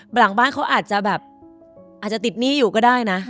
หลังบ้านเขาอาจจะแบบอาจจะติดหนี้อยู่ก็ได้นะ